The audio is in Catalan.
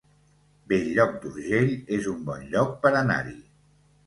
Bell-lloc d'Urgell es un bon lloc per anar-hi